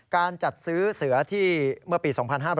การจัดซื้อเสือที่เมื่อปี๒๕๕๘